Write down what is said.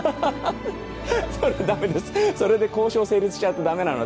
それで交渉成立しちゃうと駄目なので。